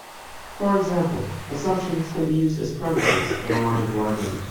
For example, assumptions can be used as premises in a logical argument.